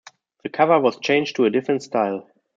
The cover was changed to a different style.